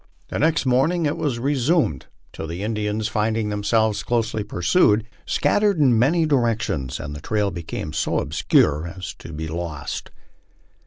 The next morning it was resumed, until the Indians finding themselves closely pursued, scattered in many directions and the trail became so obscure as to be lost.